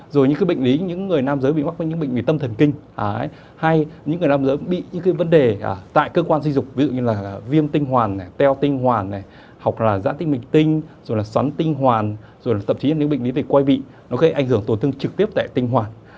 rồi những bệnh lý những người nam giới bị mắc với những bệnh lý tâm thần kinh hay những người nam giới bị những vấn đề tại cơ quan xây dục ví dụ như là viêm tinh hoàn teo tinh hoàn học giãn tinh bình tinh xoắn tinh hoàn tậm chí là những bệnh lý về quay vị nó có thể ảnh hưởng tổn thương trực tiếp tại tinh hoàn